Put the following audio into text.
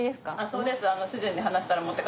そうです。